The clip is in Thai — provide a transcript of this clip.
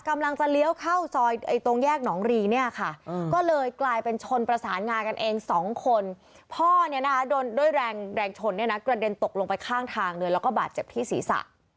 แรงชนเนี่ยนะกระเด็นตกลงไปข้างทางเลยแล้วก็บาดเจ็บที่ศีรษะ